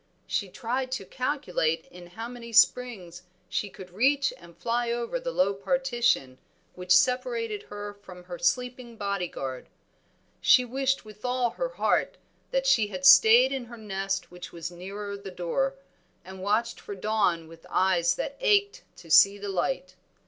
She tried to calculate in how many springs she could reach and fly over the low partition which separated her from her sleeping body guard. She wished with all her heart that she had stayed in her nest which was nearer the door, and watched for dawn with eyes that ached to see the light.